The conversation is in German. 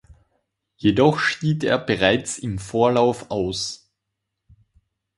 Jedoch schied er bereits im Vorlauf aus.